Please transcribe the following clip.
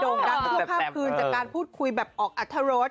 โด่งดังเพื่อภาพคืนจากการพูดคุยแบบออกอัธโรศ